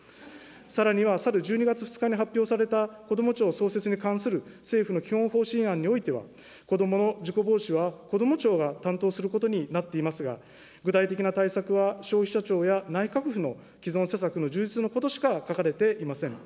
さらには、去る１２月２日に発表されたこども庁創設に関する政府の基本方針案においては、子どもの事故防止はこども庁が担当することになっていますが、具体的な対策は消費者庁や内閣府の既存施策の充実のことしか書かれていません。